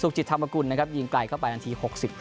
จิตธรรมกุลนะครับยิงไกลเข้าไปนาที๖๕